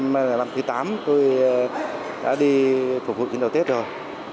năm thứ tám tôi đã đi phục vụ chuyến đầu tết rồi